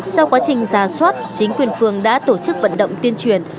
sau quá trình ra soát chính quyền phường đã tổ chức vận động tuyên truyền